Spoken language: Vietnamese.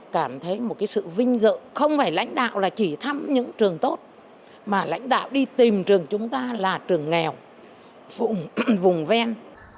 cảm thấy một cái sự vinh dự không phải lãnh đạo là chỉ thăm những trường tốt mà lãnh đạo đi tìm trường chúng ta là trường nghèo vùng ven